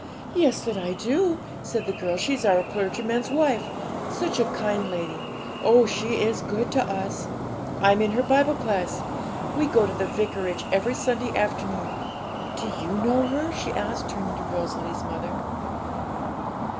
'Yes, that I do,' said the girl. 'She's our clergyman's wife such a kind lady oh, she is good to us! I'm in her Bible class; we go to the vicarage every Sunday afternoon. Do you know her?' she asked, turning to Rosalie's mother.